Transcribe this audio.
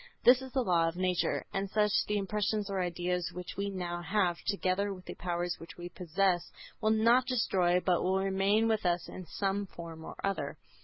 This is the law of nature. As such, the impressions or ideas which we now have, together with the powers which we possess, will not be destroyed but will remain with us in some form or other.